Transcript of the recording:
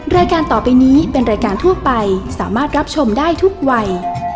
รายการต่อไปนี้เป็นรายการทั่วไปสามารถรับชมได้ทุกวัย